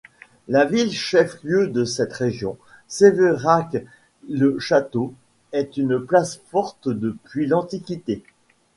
La ville chef-lieu de cette région, Sévérac-le-Château, est une place forte depuis l'Antiquité.